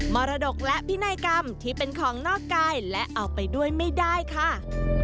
มรดกและพินัยกรรมที่เป็นของนอกกายและเอาไปด้วยไม่ได้ค่ะ